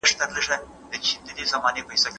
¬ چي نه لري هلک، هغه کور د اور لايق.